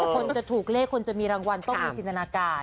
คนจะถูกเลขคนจะมีรางวัลต้องมีจินตนาการ